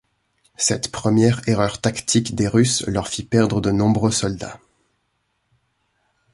Cette première erreur tactique des Russes leur fit perdre de nombreux soldats.